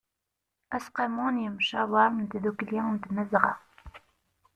aseqqamu n ymcawer n tdukli n tmazɣa